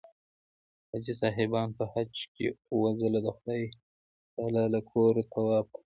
حاجي صاحبان په حج کې اووه ځله د خدای تعلی له کوره طواف کوي.